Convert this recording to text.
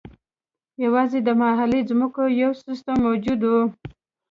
یوازې د محلي ځمکو یو سیستم موجود و.